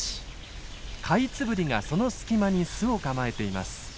カイツブリがその隙間に巣を構えています。